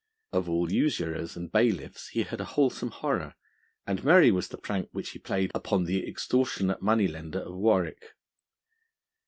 Of all usurers and bailiffs he had a wholesome horror, and merry was the prank which he played upon the extortionate money lender of Warwick.